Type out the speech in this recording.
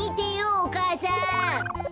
お母さん。